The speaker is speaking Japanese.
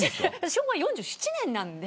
昭和４７年なんで。